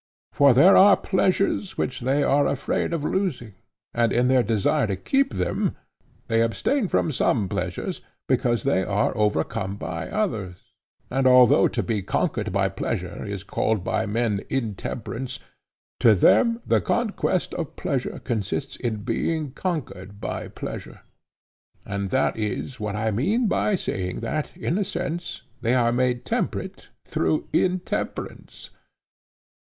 For there are pleasures which they are afraid of losing; and in their desire to keep them, they abstain from some pleasures, because they are overcome by others; and although to be conquered by pleasure is called by men intemperance, to them the conquest of pleasure consists in being conquered by pleasure. And that is what I mean by saying that, in a sense, they are made temperate through intemperance.